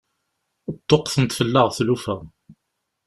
Ṭṭuqqtent fell-aɣ tlufa.